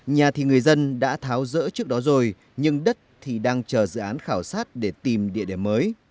nhà thì người dân đã tháo rỡ trước đó rồi nhưng đất thì đang chờ dự án khảo sát để tìm địa điểm mới